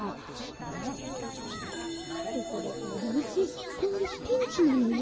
ここだけの話今月ピンチなのよ。